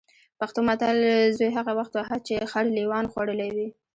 پښتو متل: زوی هغه وخت وهه چې خر لېوانو خوړلی وي.